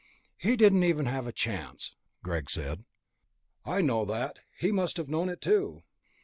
"He didn't even have a chance," Greg said. "I know that. He must have known it too."